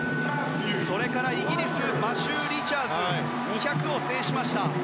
それからイギリスマシュー・リチャーズは２００を制しました。